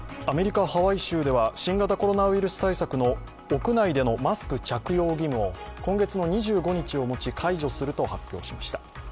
アメリカ・ハワイ州では新型コロナ対策の屋内でのマスク着用義務を今月の２５日をもち解除すると発表しました。